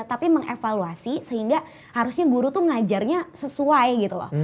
tapi mengevaluasi sehingga harusnya guru tuh ngajarnya sesuai gitu loh